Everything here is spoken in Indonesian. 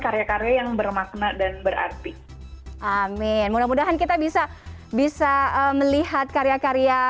karya karya yang bermakna dan berarti amin mudah mudahan kita bisa bisa melihat karya karya